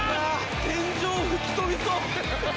天井、吹き飛びそう。